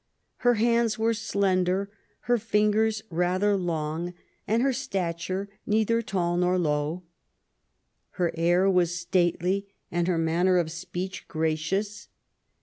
Her hands were slender, her fingers rather long, and her stature neither tall nor low. Her air was stately, and her manner of speech gracious.